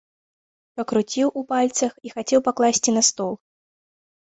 Пакруціў у пальцах і хацеў пакласці на стол.